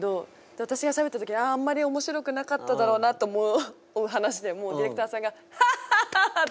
私がしゃべった時あああんまり面白くなかっただろうなと思う話でもディレクターさんが「ハッハッハッハッ！」